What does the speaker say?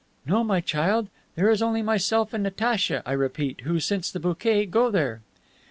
"No, my child, there is only myself and Natacha, I repeat, who, since the bouquet, go there."